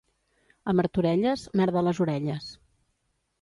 A Martorelles, merda a les orelles.